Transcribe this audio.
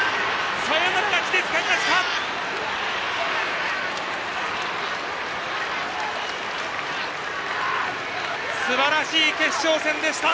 サヨナラ勝ちでつかみました！